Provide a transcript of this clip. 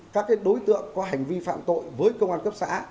các đối tượng có hành vi phạm tội với công an cấp xã